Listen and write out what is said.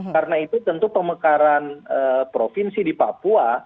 karena itu tentu pemekaran provinsi di papua